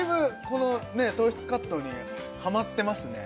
この糖質カットにハマってますね